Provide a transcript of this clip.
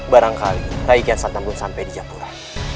barangkali rai kian santang belum sampai di japura